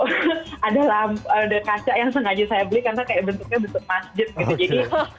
ini kayak saya nemu ada kaca yang sengaja saya beli karena kayak bentuknya bentuk masjid gitu